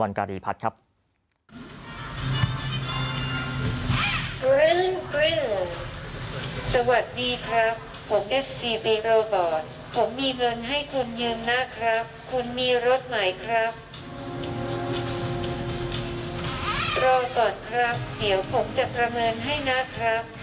รอก่อนครับเดี๋ยวผมจะประเมินให้นะครับ